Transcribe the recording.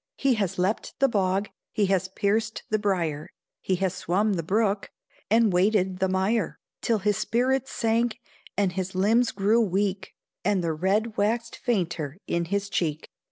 He has leapt the bog, he has pierced the briar, He has swum the brook, and waded the mire, Till his spirits sank, and his limbs grew weak, And the red waxed fainter in his cheek.